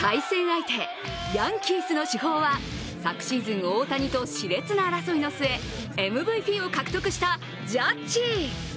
対戦相手、ヤンキースの主砲は昨シーズン、大谷としれつな争いの末、ＭＶＰを獲得したジャッジ。